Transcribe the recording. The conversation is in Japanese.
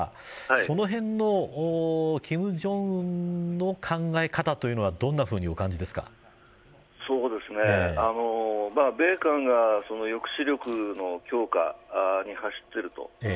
そのへんの金正恩の考え方というのは米韓が抑止力の強化に走っている。